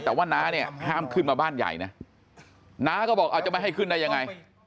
แต่ว่าน้าเนี่ยห้ามขึ้นมาบ้านใหญ่นะน้าก็บอกเอาจะไม่ให้ขึ้นได้ยังไง